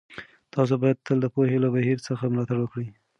تاسو باید تل د پوهنې له بهیر څخه ملاتړ وکړئ.